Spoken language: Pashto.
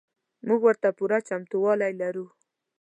موږ ورته پوره چمتو والی لرو.